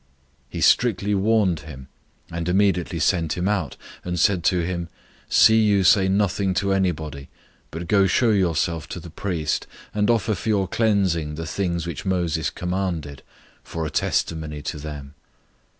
001:043 He strictly warned him, and immediately sent him out, 001:044 and said to him, "See you say nothing to anybody, but go show yourself to the priest, and offer for your cleansing the things which Moses commanded, for a testimony to them."